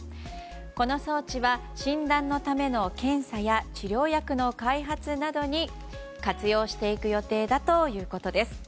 この装置は、診断のための検査や治療薬の開発などに活用していく予定だということです。